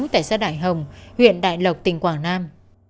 tại xã đại hồng huyện đại lộc tỉnh quảng nam